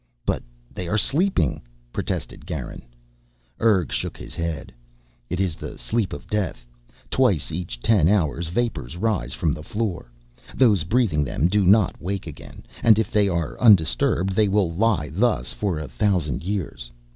"But they are sleeping!" protested Garin. Urg shook his head. "It is the sleep of death. Twice each ten hours vapors rise from the floor. Those breathing them do not wake again, and if they are undisturbed they will lie thus for a thousand years.